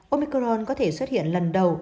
omicron có thể xuất hiện lần đầu